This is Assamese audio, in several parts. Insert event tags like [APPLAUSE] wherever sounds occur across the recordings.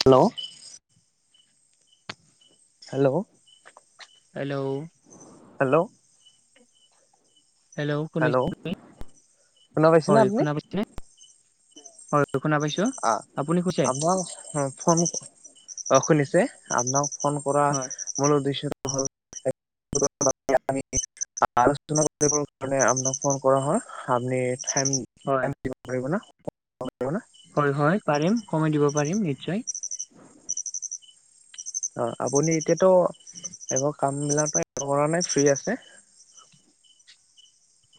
Hello. Hello. Hello. Hello. Hello, [UNINTELLIGIBLE] শুনা পাইছেনে হয় আপুনি? শুনা পাইছানে? হয়, শুনা পাইছো। আহ, আপুনি কৈছে [UNINTELLIGIBLE] অ', শুনিছে? আপোনাক ফোন কৰা হয় মূল উদ্দেশ্য [UNINTELLIGIBLE] মানে [UNINTELLIGIBLE] আমি হয় [UNINTELLIGIBLE] [UNINTELLIGIBLE] হয় হয় পাৰিম, সময় দিব পাৰিম নিশ্চয়। অ', আপুনি এতিয়াতো একো কাম বিলাকত কৰা নাই, ফ্ৰী আছে।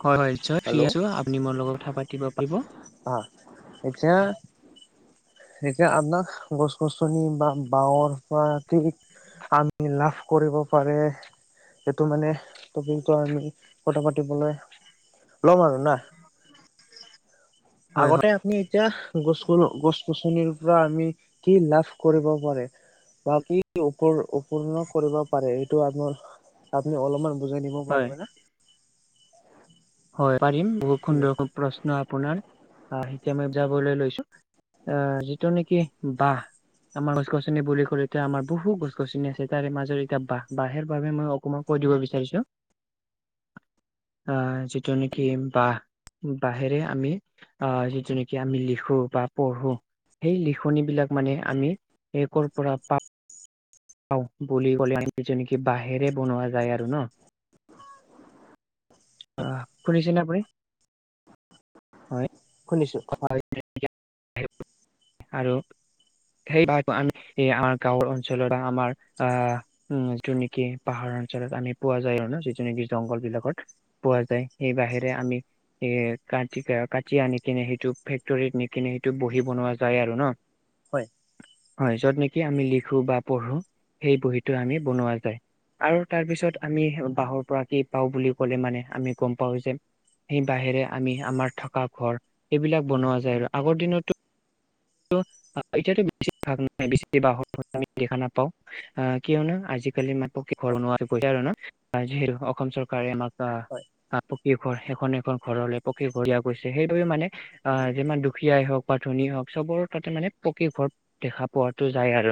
হয় হয় নিশ্চয় ফ্ৰী হেল্ল' অ আছো। আপুনি মোৰ লগত কথা পাতিব পাৰিব। এতিয়া সেইটোয়াে আপোনাক গছ গছনি বা বাহঁৰ পৰা ঠিক আমি লাভ কৰিব পাৰে। সেইটো মানে টপিকটো আমি কথা পাতিবলৈ ল'ম আৰু না। হয় আগতে হয় আপুনি এতিয়া গছ-গছ-গছনিৰ পৰা আমি কি লাভ কৰিব পাৰে? বা কি উপ-উপূৰ্ণ কৰিব পাৰে এইটো আপোনাৰ আপুনি অলপমান বুজাই দিব হয় পাৰিব নে? হয় পাৰিম বহুত ঠিক আছে সুন্দৰকৈ প্ৰশ্ন আপোনাৰ আহ এতিয়া মই যাবলৈ লৈছো। আহ যিটো নেকি বাহ আমাৰ গছ গছনি বুলি কলে তো এতিয়া আমাৰ বহু গছ গছনি আছে তাৰে মাজত এতিয়া বাহ, বাহেৰ বাবে মই অকমান কৈ দিব বিচাৰিছো। [INAUDIBLE] আহ যিটো নেকি বাহ বাহিৰে আমি আহ, যিটো নেকি আমি লিখো বা পঢ়ো সেই লিখনী বিলাক মানে আমি, একৰ পৰা পা [UNINTELLIGIBLE] বুলি ক'লে নি নেকি বাহেৰে বনোৱা যায় আৰু ন। আহ, শুনিছে নে আপুনি? হয়। শুনিছো। [UNINTELLIGIBLE] [INAUDIBLE] আৰু। সেইবাৰ [INAUDIBLE] আমি আমাৰ গাঁৱৰ অঞ্চলৰ বা আমাৰ আ উম যিটো নেকি পাহাৰ অঞ্চলত আমি পোৱা যায় আৰু ন যিটো নেকি জংঘল বিলাকত। পোৱা যায় সে বাহেৰে আমি এ কাটিকে কাটি আনি কিনে সেইটো ফেক্টৰীত নিকিনে সেইটো বহি বনোৱা যায় আৰু ন। হয়। হয় যত নেকি আমি লিখো বা পঢ়ো সেই বহীটো আমি বনোৱা যায়। আৰু তাৰ পিছত আমি বাঁহৰ পৰা কি পাও বুলি কলে মানে আমি গম পাও যে। সেই বাহেৰে আমি আমাৰ থকা ঘৰ এইবিলাক বনোৱা যায় আৰু আগৰ দিনততো [UNINTELLIGIBLE] এতিয়াতো বেছি ভাগ নাই বেছি বাঁহৰ [INAUDIBLE] আমি দেখা নাপাও আহ কিয়নো আজিকালি মা হয় [INAUDIBLE] অসম চৰকাৰে আমাক আ। হয় [INAUDIBLE] ই ঘৰ সেখন এখন ঘৰৰে পকী [INAUDIBLE] দিয়া কৰিছে সে [INAUDIBLE] মানে আহ যিমান দুখীয়াই হওক বা ধনী হওক চবৰ তাতে মানে পকী ঘৰ দেখা পোৱাটো যায় আৰু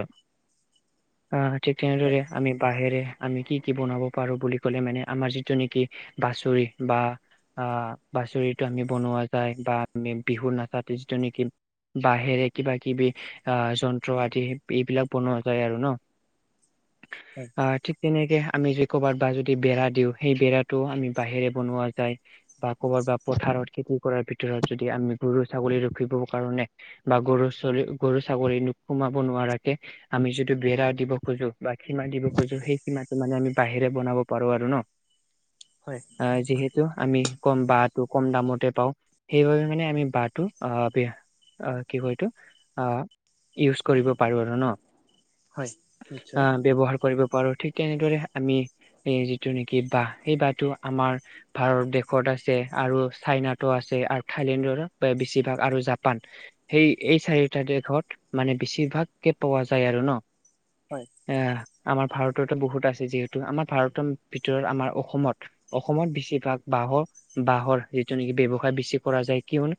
আহ তেতিয়া হয় আৰুৰে আমি বাঁহেৰে। আমি কি কি বনাব পাৰো বুলি ক'লে মানে আমাৰ যিটো নেকি বাচুৰি বা আহ বাচুৰিটো আমি বনোৱা যায় বাবি বিহু নাচা তিছদো নেকি। বাঁহেৰে কিবা কিবি আহ যন্ত্ৰ আদি এইবিলাক বনোৱা যায় আৰু ন। [INAUDIBLE] হয় আৰ ঠি তেনেকে আমি য ক'ৰবাত বা যদি বেৰা দিওঁ সেই বেৰাটোও আমি বাঁহেৰে বনোৱা যায়। বা কবাত বা পথাৰত খেতি কৰাৰ ভিতৰত যদি আমি গৰু ছাগলী ৰখিব কাৰণে। বা গৰু [INAUDIBLE] গৰু ছাগলী নো সোমাব নোৱাৰাকে। আমি যিটো বেৰা দিব খোজো বা সীমা দিব খোজো সেই সীমাটো মানে আমি বাঁহেৰে বনাব পাৰো আৰু ন। হয়। আ যিহেতু আমি কম বাঁহটো কম দামতে পাওঁ। সেইবাবে মানে আমি বাঁহটো আহ কি কয় এইটো আহ ইউজ কৰিব পাৰো আৰু ন হয় অ নিশ্চয় ব্যৱহাৰ কৰিব পাৰো ঠি তেনেদৰে আমি। এই যিটো নেকি বাঁহ এই বাঁহটো আমাৰ ভাৰত দেশত আছে আৰু চাইনা ট আছে আৰু থাইলেণ্ডৰ বা বেছিভাগ আৰু জাপান। সেই এই চাৰিটা দেশত মানে বেছিভাগকে পোৱা যায় আৰু ন। হয়। এ আমাৰ ভাৰততে বহুত আছে যিহেতু আমাৰ ভাৰতৰ ভিতৰত আমাৰ অসমত। অসমত বেছিভাগ বাঁহৰ বাঁহৰ যিটো নেকি ব্যৱসায় বেছি কৰা যায় কিয়ন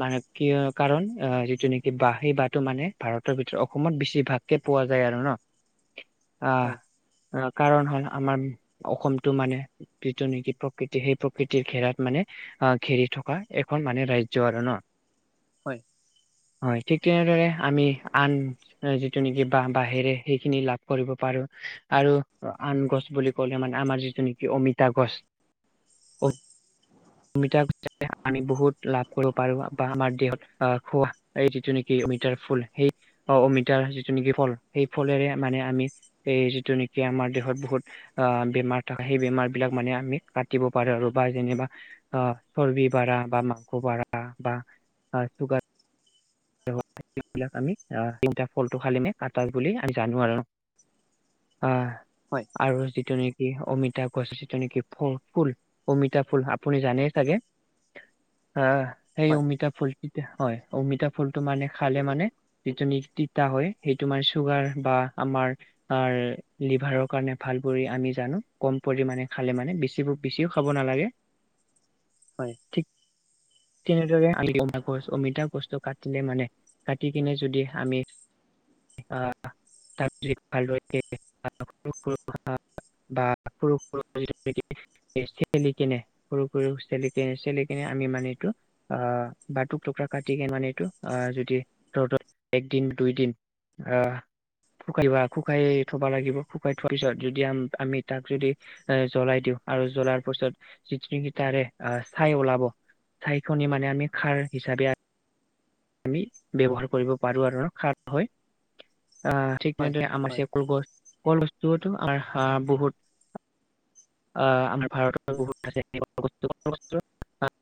মানে কি কাৰণ অ যিটো নেকি বাঁহ সেই বাঁহটো মানে ভাৰতৰ ভিতৰত অসমত বেছিভাগ কে পোৱা যায় আৰু ন। [INAUDIBLE] আহ কাৰণ হল আমাৰ অসমটো মানে যিটো নেকি প্ৰকৃতি সেই প্ৰকৃতিৰ ঘেৰাত মানে আ ঘেৰি থকা এখন মানে ৰাজ্য আৰু ন। হয়। হয় ঠিক তেনেদৰে আমি আন। যিটো নেকি বা বাঁহেৰে সেইখিনি লাভ কৰিব পাৰো আৰু আন গছ বুলি কলে মানে আমাৰ যিটো নেকি অমিতা গছ। হয়ঁ। অমিতা গছেৰে আমি বহুত লাভ কৰিব পাৰো বা আমাৰ দেহত আহ খোৱা। এই যিটো নেকি অমিতাৰ ফুল সেই অঁ অমিতাৰ যিটো নেকি ফল সেই ফলেৰে মানে আমি। এই যিটো নেকি আমাৰ দেহত বহুত- আহ বেমাৰ থাকে সেই বেমাৰ বিলাক মানে আমি কাটিব পাৰোঁ আৰু বা যেনেবা চৰ্বি বাৰা বা মাংস বাৰা বা চুগাৰ- আমি আ, তিনটা ফলটো খালিমে আটাৰ বুলি আমি জানো আৰু। আহ। হয়ঁ। আৰু যিটো নেকি অমিতা গছ যিটো নেকি ফ-ফুল। অমিতা ফুল আপুনি জানে চাগে? আহ, সেই হয় অমিতা ফুলতিতে হয় অমিতা ফুলটো মানে খালে মানে- যিটো নি তিতা হয়ঁ সেই তোমাৰ চুগাৰ বা আমাৰ- আৰ, লিভাৰৰ কাৰণে ভাল বুলি আমি জানো কম পৰিমাণে খালে মানে বেছিভু- বেছিও খাব' নালাগে। হয়ঁ। ঠিক তেনেদৰে আমি গম নাপাওঁ অমিতা গছটো কাট- টিলে মানে কাটি কিনে যদি আমি আহ- [INAUDIBLE] বা সৰু সৰু এ, চেলি কেনে সৰু সৰু চেলি কেনে চেলি কেনে আমি মানে এইটো- আ, বাটুক টোকা কাটি কি মানে এইটো- আ, যদি সিহঁতৰ একদিন দুই দিন আহ- শুকাই লোৱা শুকাই থবা লাগিব শুকাই থোৱাৰ পিছত যদি আম-আমি তাক যদি- এ, জ্বলাই দিওঁ আৰু জ্বলাৰ পিছত যিতকিনি তাৰে আ, চাই ওলাব। চাইখনি মানে আমি খাৰ হিচাপে আ- আমি ব্যৱহাৰ কৰিব পাৰো আৰু সাত হয়। আ- ঠিক হয় তেনেদৰে আমাৰ হয় চেকুল গছ কল গছটো হা বহুত। আ, আমাৰ ভাৰতৰ বহুত আছে কিবা বস্ত [INAUDIBLE] অনেক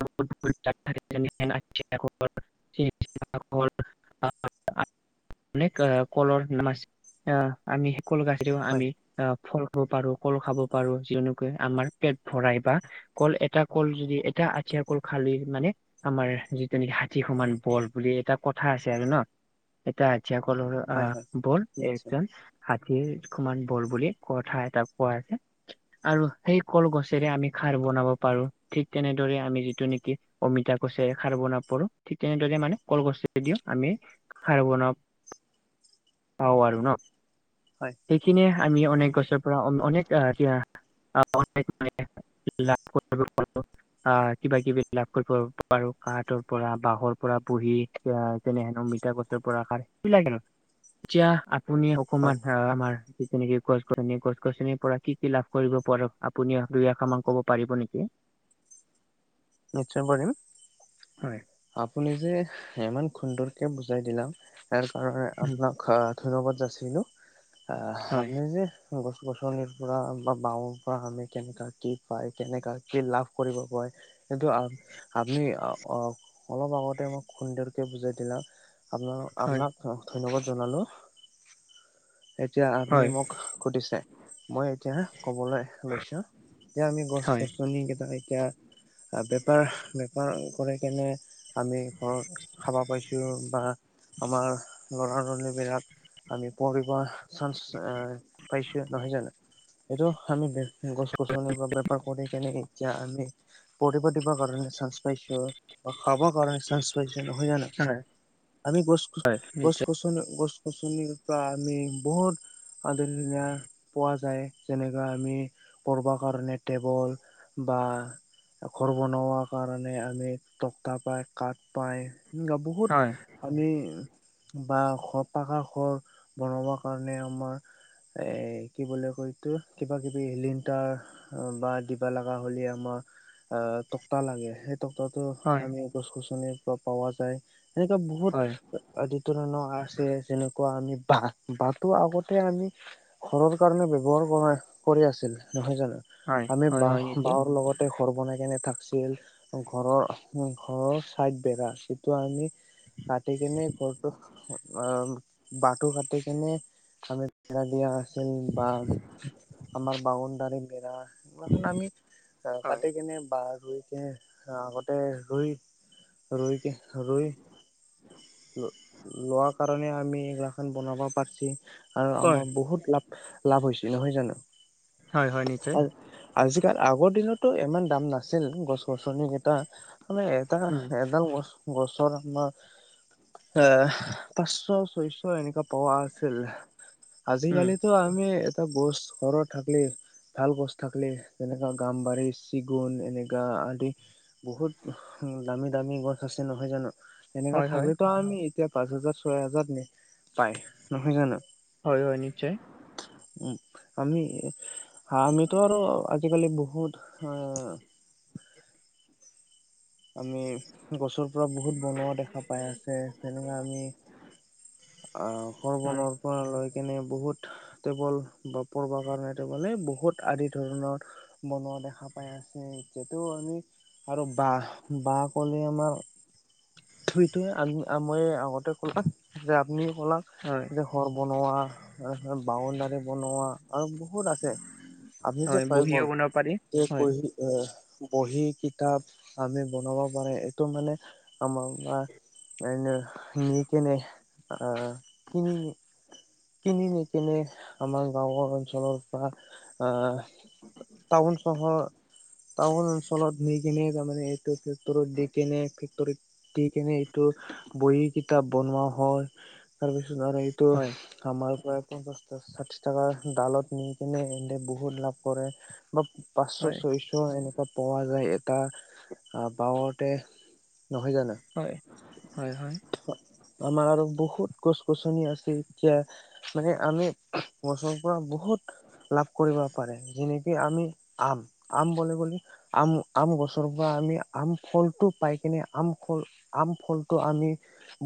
আ, কলৰ নামাছ- আহ, আমি সেই কল গাছে দিওঁ আমি আ, ফল পাৰো কল খাব পাৰো। যিনো- আমাৰ পেট ভৰাই বা কল এটা কল যদি এটা আঠিয়া কল খালি মানে- আমাৰ যিটো নেকি হাতী সমান বল বুলি এটা কথা আছে আৰু ন' এটা। আঠিয়া কলৰো' আ, হয় বল নিশ্চয় এটা হাতীৰ সমান বল বুলি কথা এটা কোৱা আছে। আৰু সেই কলগছেৰে আমি খাৰ বনাব পাৰো। ঠিক তেনেদৰে আমি যিটো নেকি- অমিতা গছেৰে খাৰ বনা পাৰো। ঠিক তেনেদৰে মানে কলগছে দিও আমি- খাৰ বনাব, পাওঁ আৰু ন'। হয় সেইখিনিয়ে আমি অনেক গছৰ পৰা অম-অনেক আ, তিয়া। [INAUDIBLE] আ, কিবা কিবি লাভ কৰিব পাৰো কাতৰ পৰা বাঁহৰ পৰা বহি- এতিয়া তেনে হেন অমিতা গছৰ পৰা কাত কি লাগে নো এটিয়া পুনি হয় অকমান আ, আমাৰ যিটো নিকি গছ গছনি গছ গছনিৰ পৰা কি কি লাভ কৰিব। পৰত আপুনি দুই আশা মান ক'ব পাৰিব নেকি? নিশ্চয় কৰিম। হয়। আপুনি যে ইমান সুন্দৰকে বুজাই দিলা, তাৰ কাৰণে আপোনাক হা- ধন্যবাদ যাচিলোঁ। আহ হয় আপনি যে- গছ গছনিৰ পৰা বা বাওঁৰ পৰা আমি কেনেকুৱা কি পায়, কেনেকা কি লাভ কৰিব পাই- সেইটো আ, আপনি অ- অলপ আগতে মক খুন্দেৰকে বুজাই দিলা। আপোনালোক হয় আপনাক- অ', ধন্যবাদ জনালোঁ। এতিয়া আপুনি হয়, মোক সুধিছে। মই এতিয়া ক'বলে লৈছোঁ, যে আমি গছ হয়, গছনি কেইটা এতিয়া- আ, বেপাৰ বেপাৰ কৰে কেনে- আমি ঘৰত খাবা পাইছোঁ, বা আমাৰ ল'ৰা জনে বিলাক- আমি পঢ়িব চান্স আ পাইছো নহয় জানো? এইটো আমি- গছ গছনি বা বেপাৰ কৰি কেনে এতিয়া আমি পঢ়িব দিব কাৰণে চানস পাইছো, বা খাব কাৰণে চান্স পাইছে নহয় জানো? হয়, আমি গছ হয়, গছ নিশ্চয়, গছ- গছ গছনিৰ পৰা আমি বহুত- আদি ধুনীয়া পোৱা যায় যেনেকা আমি পঢ়িব কাৰণে টেবুল- বা ঘৰ বনোৱা কাৰণে আমি- টকতা পায় কাঠ পায় এনেৱা বহুত- হয়, আানি বাহ ঘৰ পাকা ঘৰ বনাবাৰ কাৰণে আমাৰ- এই কি বুলি কয় এইটো কিবা কিবি লিংতাৰ- বা দিবা লগা হ'লে আমাৰ আহ তকতা লাগে। সেই তাকতা- টো হয়, আমি গছ গছনিৰ পৰা পাৱা যায়। এনেকুৱা বহুত হয়, আদিত- ধৰণৰ আছে যেনেকুৱা আমি বাহ বাহটো আগতে আমি- ঘৰৰ কাৰণে ব্যৱহাৰ কৰা কৰি আছিল নহয় জানো? হয়, আমি হয়, হয়, বাহ নিশ্চয়, বাহৰ লগত- তাতে ঘৰ বনাই কেনে থাকছিল। ঘৰৰ ঘৰৰ চাইড বেৰা সেইটো আমি- কাটি কেনে ঘৰটো আহ বাহটু কাটি কেনে- আমি বেৰা দিয়া আছিল বা আমাৰ বাউণ্ডাৰীৰ বেৰা- সেইলাখান আমি হয়, কাটি কেনে বাহ ৰুই কেনে- আগতে ৰুই ৰুইকে ৰুই- লো লোৱা কাৰণে আমি এইগিলাখান বনাব পাৰছি। আৰু হয়, আমাৰ বহুত লাভ লাভ হৈছে নহয় জানো? হয় হয় নিশ্চয়। আজিকালি আগৰ দিনতো ইমান দাম নাছিল গছ গছনি কেইটা। মানে এটা উম, এডাল গছ গছৰ আমাৰ- এ পাঁচশ ছয়শ এনেকা পাৱা আছিল। উম, আজিকালিতো আমি এটা গছ ঘৰত থাকলেই- ভাল গছ থাকিলেই যেনেকা গামবাৰী চিগুন এনেকা আদি- বহুত দামী দামী গছ আছে নহয় জানো? এনেকা হয়, হয়, থাকলেতো আমি এতিয়া- পাঁচ হাজাৰ ছয় হাজাৰ পায় নহয় জানো? হয় হয় নিশ্চয়। উম আমি আমিতো আৰু আজিকালি বহুত- হা। আমি গছৰ পৰা বহুত বনোৱা দেখা পাই আছে। যেনেকা আমি- আহ সৰ হয়, বনৰ- লৈ কেনে বহুত টেবুল বা পঢ়বা কাৰণে, টেবুল এই বহুত আদি ধৰণৰ বনোৱা দেখা পাই আছে, এইটো আমি আৰু বাঁহ। বাঁহ ক'লে আমাৰ সেইটোৱেই আ মই আগতে ক'লাক যে আপুনি ক'লাক হয়। যে ঘৰ বনোৱা, বাউণ্ডাৰী বনোৱা। আৰু বহুত আছে আপুনি যে, হয়, কৈ বহিও গ'ল বনাব পাৰি, সে হয়, কৈ এ বহি-কিতাপ আমি বনাব পাৰো এইটো মানে আমাৰ এ ন নি কেনে আহ কিনি কিনি নিকিনে আমাৰ গাঁওৰ অঞ্চলৰ পৰা আহ টাউন চহৰ টাউন অঞ্চলত নি কিনে তাৰমানে এটো ফেক্তৰত দি কেনে ফেক্তৰীত দি কেনে এইটো বহী-কিতাপ বনোৱা হয়, তাৰপিছত আৰু এইটো হয়, আমাৰ পৰা পঞ্চাশ ষাঠি টাকা ডালত নি কিনে ইহঁতে বহুত লাভ কৰে। বা পাঁচশ হয়, ছয়শ এনেকুৱা পোৱা যায়, এটা আহ বাঁহতে নহয় জানো? হয়, হয়, হয়। আমাৰ আৰু বহুত গছ-গছনি আছে, এতিয়া মানে আমি গছৰ পৰা বহুত লাভ কৰিব পাৰে, যেনেকি আমি আম। আম বুলিলে ক'লে আম আম গছৰ পৰা আমি আম ফলটো পাই কিনে, আম ফল আম ফলটো আমি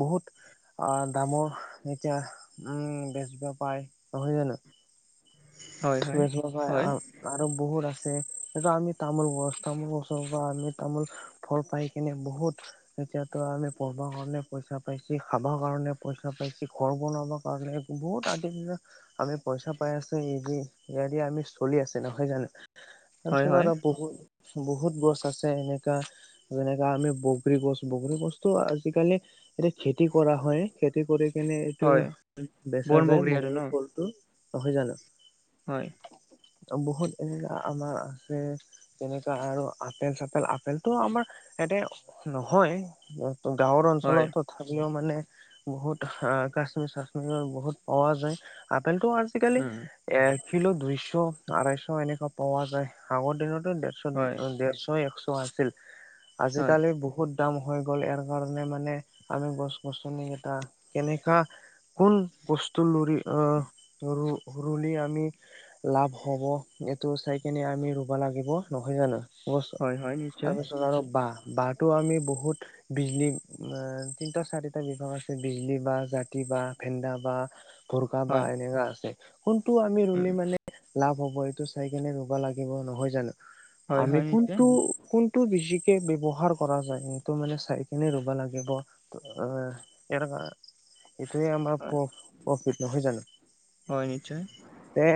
বহুত অ', দামৰ এতিয়া উম, বেছবা পায় নহয় জানো? হয়, হয়, বেছবা পায় হয়, আম। আৰু বহুত আছে এ আমি তামোল গছ তামোল গছৰ পৰা আমি তামোল ফল পাই কিনে বহুত এতিয়াতো আমি পঢ়বা কাৰণে পইচা পাইছি, খাব কাৰণে পইচা পা, ঘৰ বনাব কাৰণে বহুত আজিৰ দিনা আমি পইচা পাই আছো এই এইয়াদি আমি চলি আছে নহয় জানো! হয়, তাৰপিছত হয়, আৰু বহুত বহুত গছ আছে এনেকা। যেনেকাে আমি বগৰী গছ, বগৰী গছতো আজিকালি এতিয়া খেতি কৰা হয়, খেতি কৰি সেইকাৰণে এইটো হয়, বন বেচা যায় বগৰী আৰু ন, বহু ফলটো নহয় জানো? হয়। বহুত এনেকা আমাৰ আছে। তেনেকা আৰু আপেল-চাপেল আপেলটো আমাৰ ইয়াতে নহয়। ত' গাঁৱৰ হয়, অঞ্চলত তথাপিও মানে বহুত কাশ্মীৰ-চাশ্মিৰ বহুত পোৱা যায়, আপেল টো আজি আজিকালি উম, এ কিলো দুইশ আঢ়াইশ এনেকা পোৱা যায়, আগৰ দিনতে হয়, দেৰশ একশ আছিল, হয়, আজিকালি বহুত দাম হৈ গ'ল ইয়াৰ কাৰণে, মানে আমি গছ-গছনি এটা কেনেকা কোন বস্তু লৰি আহ ৰুলি আমি লাভ হ'ব এইটো চাই কিনে আমি ৰুব লাগিব নহয় জানো? হয়, হয়, [UNINTELLIGIBLE] নিশ্চয়, তাৰপিছত আৰু বাঁহ বাঁহটো আমি বহুত বিজলী তিনটা চাৰিটা বিভাগ আছে বিজলী বাঁহ, জাতি বাঁহ, ভেন্দা বাঁহ। গোৰ্খা বা হয়, এনেকা আছে কোনটো আমি ৰুলি উম, মানে লাভ হব এইটো চাইকনে ৰুব লাগিব নহয় জানো হয়, আমি হয়, নিশ্চয়, কোনটো কোন টো বেছিকে ব্যৱহাৰ কৰা যায় সেইটো মানে চাই কিনে ৰুব লাগিব অ এ এইটোয়ে আমাৰ হয়, প্ৰ প্ৰফিত নহয় জানো হয় নিশ্চয় এ